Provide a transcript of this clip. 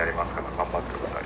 頑張って下さい。